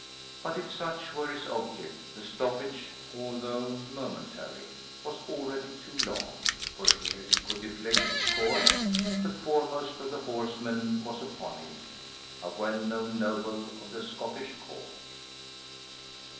But if such were his object, the stoppage, although momentary, was already too long, for ere he could deflect his course, the foremost of the horsemen was upon him, a well known noble of the Scottish Court.